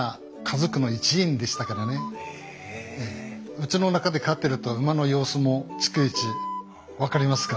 うちの中で飼ってると馬の様子も逐一分かりますからね。